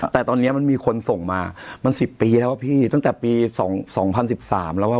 แต่ตอนนี้มันมีคนส่งมามัน๑๐ปีแล้วอะพี่ตั้งแต่ปีสองสองพันสิบสามแล้วอ่ะ